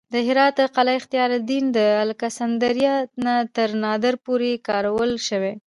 د هرات د قلعه اختیارالدین د الکسندر نه تر نادر پورې کارول شوې